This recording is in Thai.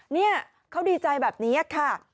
นี่เขาดีใจแบบนี้ค่ะ